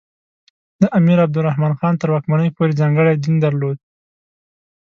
د امیر عبدالرحمان خان تر واکمنۍ پورې ځانګړی دین درلود.